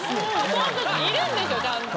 ホントにいるんですよちゃんと。